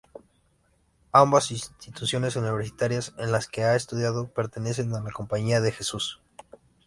Ambas instituciones universitarias en las que ha estudiado pertenecen a la Compañía de Jesús.